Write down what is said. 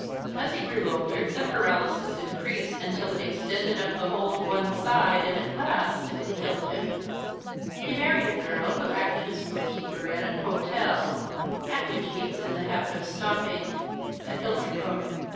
As he grew older, the paralysis increased, until it extended up the whole of one side, and, at last, it killed him. He married a girl who acted as book keeper at an hotel, at which he was in the habit of stopping, at Ilfracombe.